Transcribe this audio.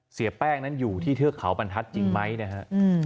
เสียแป้งนั้นอยู่ที่เทือกเขาบรรทัศน์จริงไหมนะฮะ